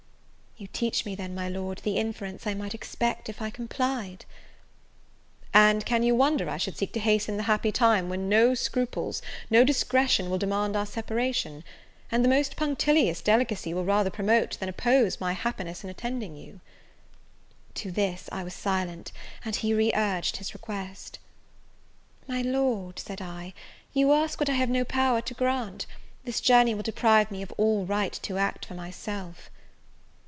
"You teach me, then, my Lord, the inference I might expect, if I complied." "And can you wonder I should seek to hasten the happy time, when no scruples, no discretion will demand our separation? and the most punctilious delicacy will rather promote, than oppose, my happiness in attending you?" To this I was silent, and he re urged his request. "My Lord," said I, "you ask what I have no power to grant. This journey will deprive me of all right to act for myself."